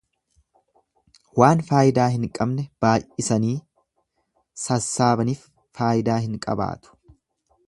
Waan faayidaa hin qabne baay'isanii sassaabanif faayidaa hin qabaatu.